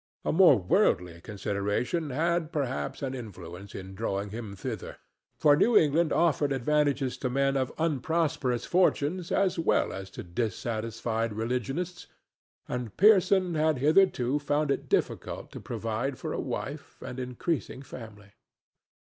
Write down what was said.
A more worldly consideration had perhaps an influence in drawing him thither, for New England offered advantages to men of unprosperous fortunes as well as to dissatisfied religionists, and Pearson had hitherto found it difficult to provide for a wife and increasing family.